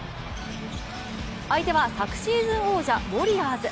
相手は昨シーズン王者ウォリアーズ。